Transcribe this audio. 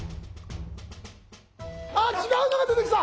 あっ違うのが出てきた。